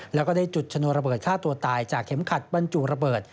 แล้วก็ได้จุดชนวนระเบิดฆ่าตัวตายจากเข็มขัดบรรจุระเบิด